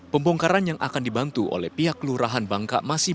pembongkaran yang akan dibantu oleh pihak lurahan bangka masih berjalan